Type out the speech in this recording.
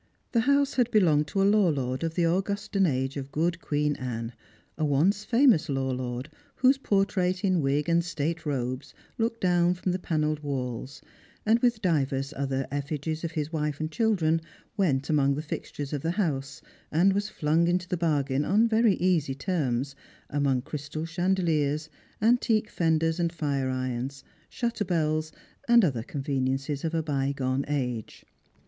The house had belonged to a law lord of the Augustan age of good Queen Anne; a once famous law lord, whose portrait in wig and state robes looked down from the panelled walls, and with divers other effigies of his wife and ihildren went among the fixtures of the house, and was flung into the bargain on very easy terms, among crystal chandeliers, aniique fenders and fire irona, shutter bell*, and other conveni Strangers and Pilgrims. 353 ences of a bygone age.